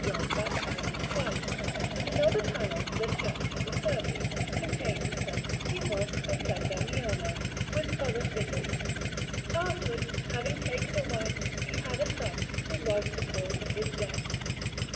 John baptizing Christ, and another panel for the Church of the Servi, containing S. Cosimo and S. Damiano, with other figures. Afterwards, having taken a wife, he had a son, who was the cause of his death.